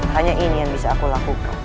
hanya ini yang bisa aku lakukan